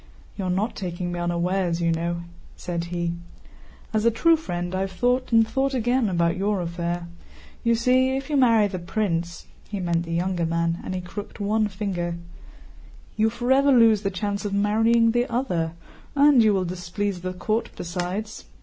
"You are not taking me unawares, you know," said he. "As a true friend, I have thought and thought again about your affair. You see, if you marry the prince"—he meant the younger man—and he crooked one finger, "you forever lose the chance of marrying the other, and you will displease the court besides.